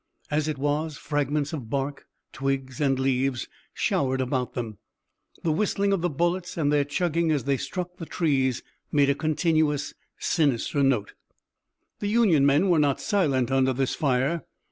As it was, fragments of bark, twigs, and leaves showered about them. The whistling of the bullets and their chugging as they struck the trees made a continuous sinister note. The Union men were not silent under this fire.